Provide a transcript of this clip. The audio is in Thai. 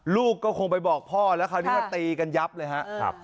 ลูกก็คงไปบอกพ่อแล้วคราวนี้ว่าตีกันยับเลยครับ